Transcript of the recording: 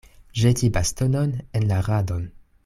Ĵeti bastonon en la radon.